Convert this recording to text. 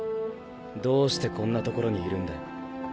どうしてこんな所にいるんだよ。